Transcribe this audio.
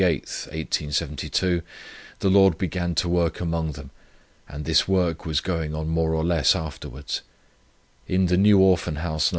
8, 1872, the Lord began to work among them, and this work was going on more or less afterwards. In the New Orphan House No.